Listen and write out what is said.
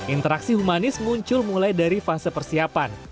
interaksi humanis muncul mulai dari fase persiapan